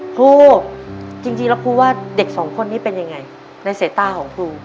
ครูจริงแล้วครูว่าเด็กสองคนนี้เป็นยังไงในสายตาของครู